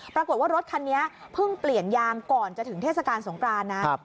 ปรากฏว่ารถคันนี้เพิ่งเปลี่ยนยางก่อนจะถึงเทศกาลสงกรานนะ